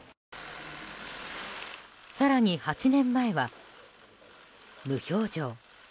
更に８年前は無表情。